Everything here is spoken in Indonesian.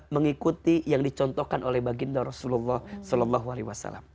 mengikuti yang dicontohkan oleh baginda rasulullah saw